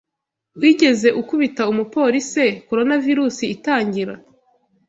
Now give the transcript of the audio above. Wigeze ukubita umupolice Coronavirus itangira